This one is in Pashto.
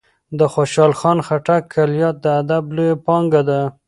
د خوشال خان خټک کلیات د ادب لویه پانګه ده.